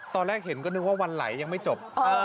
ตอนแรกเห็นก็นึกว่าวันไหลยังไม่จบ